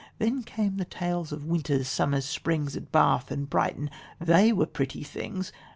Then came the tales of Winters, Summers, Springs At Bath and Brighton they were pretty things!